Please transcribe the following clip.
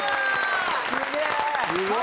すげえ！